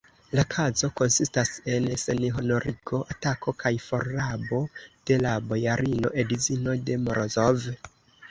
La kazo konsistas en senhonorigo, atako kaj forrabo de la bojarino, edzino de Morozov!